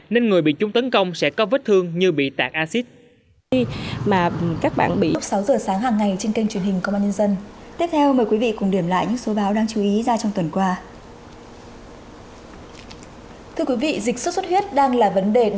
nên người bị chung tấn công sẽ có vết thương như bị tạc acid